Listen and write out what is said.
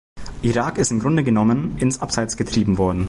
Irak ist im Grunde genommen ins Abseits getrieben worden.